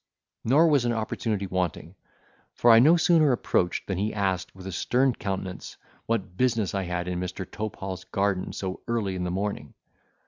Nor was an opportunity wanting; for I no sooner approached than he asked, with a stern countenance, what business I had in Mr. Topehall's garden so early in the morning?